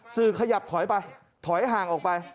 สื่อขยับถอยห่างออกไป